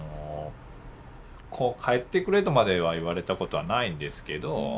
こう帰ってくれとまでは言われたことはないんですけど。